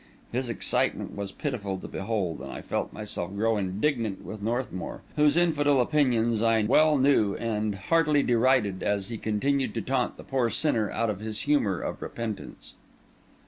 His excitement was pitiful to behold; and I felt myself grow indignant with Northmour, whose infidel opinions I well knew, and heartily derided, as he continued to taunt the poor sinner out of his humour of repentance.